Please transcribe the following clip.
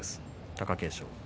貴景勝。